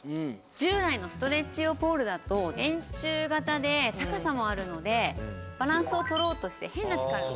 従来のストレッチ用ポールだと円柱型で高さもあるのでバランスを取ろうとして変な力が。